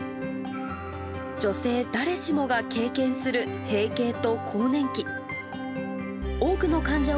女性誰しもが経験する閉経と更年期。